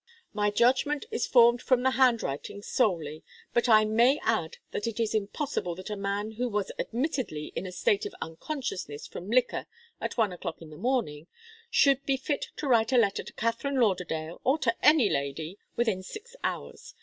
My judgment is formed from the handwriting solely, but I may add that it is impossible that a man who was admittedly in a state of unconsciousness from liquor at one o'clock in the morning, should be fit to write a letter to Katharine Lauderdale, or to any lady, within six hours.